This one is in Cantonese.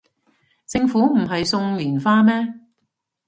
政府唔係送連花咩